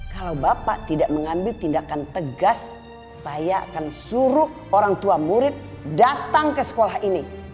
kalau bapak tidak mengambil tindakan tegas saya akan suruh orang tua murid datang ke sekolah ini